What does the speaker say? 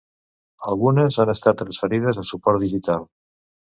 Algunes han estat transferides a suport digital.